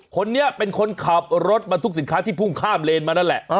คนนี้เป็นคนขับรถบรรทุกสินค้าที่พุ่งข้ามเลนมานั่นแหละ